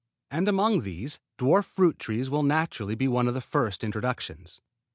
And among these dwarf fruit trees will naturally be one of the first introductions.